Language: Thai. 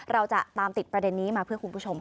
เราจะตามติดประเด็นนี้มาเพื่อคุณผู้ชมค่ะ